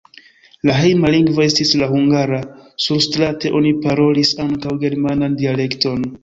La hejma lingvo estis la hungara, surstrate oni parolis ankaŭ germanan dialekton.